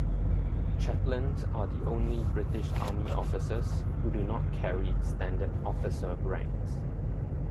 Chaplains are the only British Army officers who do not carry standard officer ranks.